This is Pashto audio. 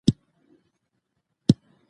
هغه څوک چې تحقيق نه کوي ړوند دی.